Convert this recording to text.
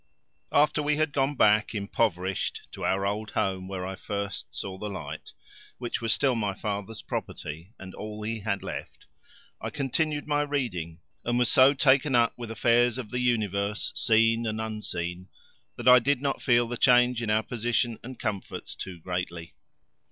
After we had gone back impoverished to our old home where I first saw the light which was still my father's property and all he had left I continued my reading, and was so taken up with the affairs of the universe, seen and unseen, that I did not feel the change in our position and comforts too greatly.